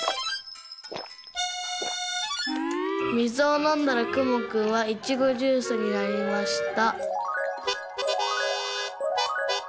「みずをのんだらくもくんはイチゴジュースになりました」。